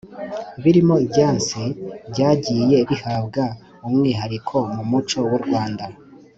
birimo ibyansi byagiye bihabwa umwihariko mu muco w’u Rwanda.